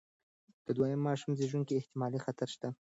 د دویم ماشوم زېږون کې احتمالي خطر شته.